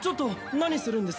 何するんです？